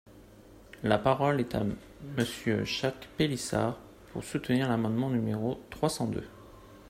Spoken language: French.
La parole est à Monsieur Jacques Pélissard, pour soutenir l’amendement numéro trois cent deux.